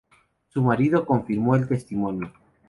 Su marido confirmó el testimonio.